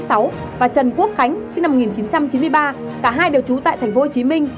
và trần quốc khánh sinh năm một nghìn chín trăm chín mươi ba cả hai đều trú tại tp hcm